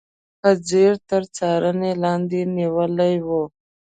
په ځیر تر څارنې لاندې نیولي و.